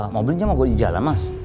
mobilnya mau di jalan mas